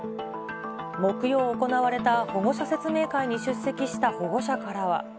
木曜、行われた保護者説明会に出席した保護者からは。